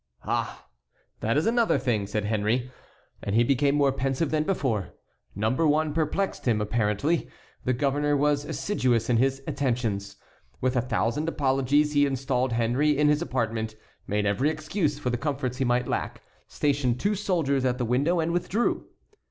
"Ah! that is another thing," said Henry. And he became more pensive than before. Number one perplexed him, apparently. The governor was assiduous in his attentions. With a thousand apologies he installed Henry in his apartment, made every excuse for the comforts he might lack, stationed two soldiers at the door, and withdrew.